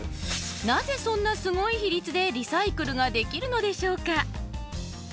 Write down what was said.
なぜそんなすごい比率でリサイクルができるのでしょうか？